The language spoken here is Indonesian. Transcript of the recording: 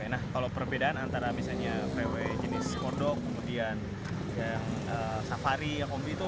nah kalau perbedaan antara vw jenis skordok kemudian safari